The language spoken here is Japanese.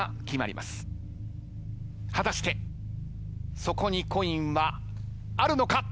果たしてそこにコインはあるのか？